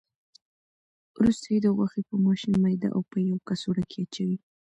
وروسته یې د غوښې په ماشین میده او په یوه کڅوړه کې اچوي.